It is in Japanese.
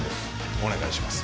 お願いします